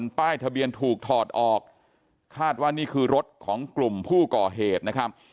ป้ายทะเบียนถูกถอดออกคาดว่านี่คือรถของกลุ่มผู้ก่อเหตุนะครับ